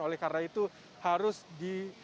oleh karena itu harus di